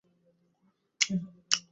আমাকে ভয় নেই তোমার?